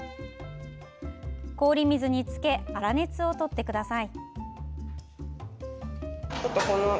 氷水につけ粗熱をとってください。